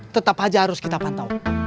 tetap saja harus kita pantau